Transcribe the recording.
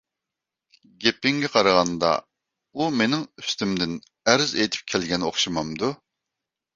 گېپىڭگە قارىغاندۇ ئۇ مېنىڭ ئۈستۈمدىن ئەرز ئېيتىپ كەلگەن ئوخشىمامدۇ؟